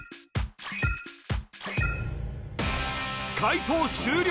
解答終了